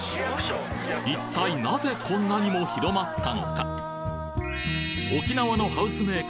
一体なぜこんなにも広まったのか？